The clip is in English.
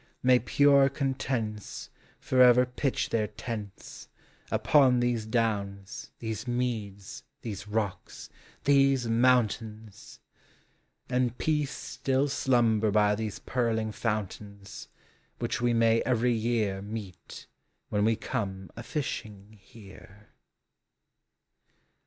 May pure contents Forever pitch their tents Upon these downs, these meads, these rocks, these mountains! And pence still slumber by these purling foun tains, Which we may every year Meet, when we come a lishing here.